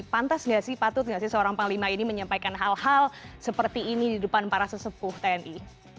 pantas nggak sih patut nggak sih seorang panglima ini menyampaikan hal hal seperti ini di depan para sesepuh tni